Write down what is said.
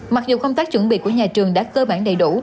mặc dù công tác chuẩn bị của nhà trường đã cơ bản đầy đủ